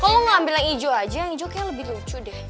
kalau lo ngambil yang hijau aja yang hijau kayaknya lebih lucu deh